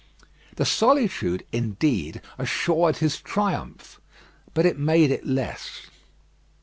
The solitude, indeed, assured his triumph; but it made it less.